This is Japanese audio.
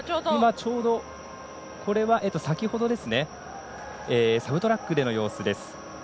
これは先ほどのサブトラックでの様子です。